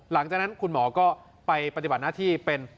หลังจากนั้นคุณหมอก็ไปปฏิบัติหน้าที่เป็น